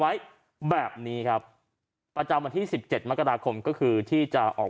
ไว้แบบนี้ครับประจำวันที่สิบเจ็ดมกราคมก็คือที่จะออก